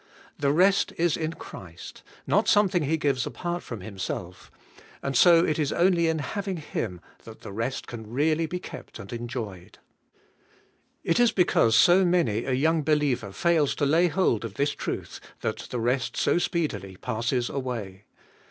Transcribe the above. The rest is in Christ, and not something He gives apart from Him self, and so it is only in having Him that the rest can really be kept and enjoyed. It is because so many a young believer fails to lay hold of this truth that the rest so speedily passes away.